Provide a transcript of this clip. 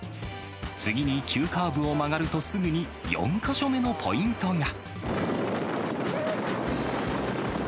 次に急カーブを曲がるとすぐに４か所目のポイントが。